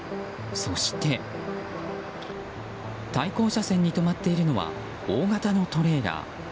そして対向車線に止まっているのは大型のトレーラー。